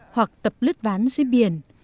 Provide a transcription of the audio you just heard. hoặc tập lứt ván dưới biển